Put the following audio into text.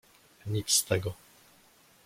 "Nic z tego!"